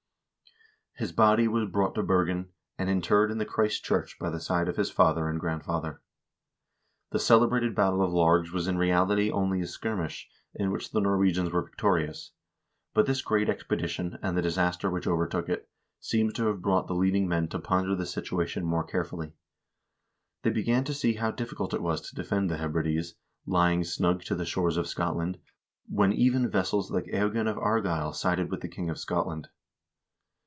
His body was brought to Bergen, and interred in the Christ church by the side of his father and grandfather. The celebrated battle of Largs was in reality only a skirmish, in which the Norwegians were victorious; but this great expedition, and the disaster which overtook it, seems to have brought the leading men to ponder the situation more carefully. They began to see how difficult it was to defend the Hebrides, lying snug to the shores of Scotland, when even vassals like Eogan of Argyll sided with the king of Scotland.